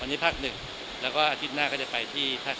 วันนี้ภาค๑แล้วก็อาทิตย์หน้าก็จะไปที่ภาค๔